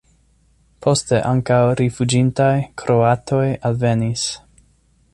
Poste ankaŭ rifuĝintaj kroatoj alvenis.